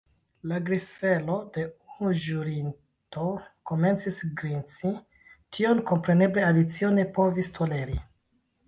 La grifelo de unu ĵurinto komencis grinci. Tion kompreneble Alicio ne povis toleri.